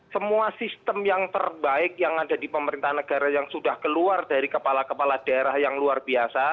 semua sistem yang terbaik yang ada di pemerintahan negara yang sudah keluar dari kepala kepala daerah yang luar biasa